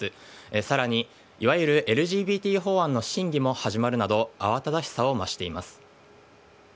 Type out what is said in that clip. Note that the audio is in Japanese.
さらに、いわゆるＬＧＢＴ法案の審議も始まるなどあわただしさを増しています。